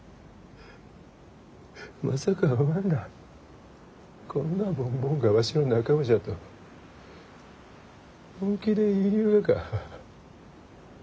まさかおまんらあこんなボンボンがわしの仲間じゃと本気で言いゆうがか？